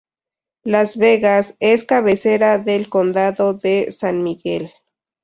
Las Vegas es cabecera del condado de San Miguel.